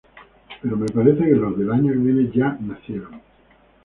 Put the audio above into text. Pero me parece que los del año que viene ya nacieron.